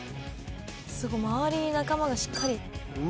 ・周りに仲間がしっかり。